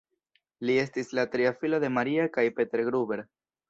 Li estis la tria filo de Maria kaj Peter Gruber.